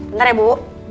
bentar ya bu